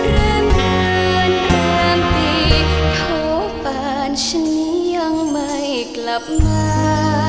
เริ่มเดือนแรมปีโทษปานฉันยังไม่กลับมา